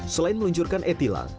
selain meluncurkan e tilang